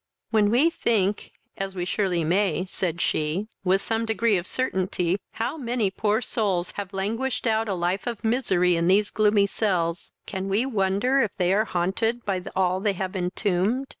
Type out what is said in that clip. "When we think, as we surely may, (said she,) with some degree of certainty, how many poor souls have languished out a life of misery in these gloomy cells, can we wonder if they are haunted by all they have entombed?